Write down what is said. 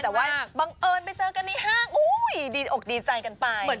แต่ว่าบังเอิญไปเจอกันในห้างอุ้ยดีอกดีใจกันไป